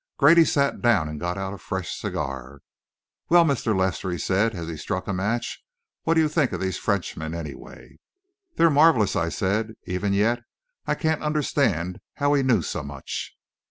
Grady sat down and got out a fresh cigar. "Well, Mr. Lester," he said, as he struck a match, "what do you think of these Frenchmen, anyway?" "They're marvellous," I said. "Even yet I can't understand how he knew so much."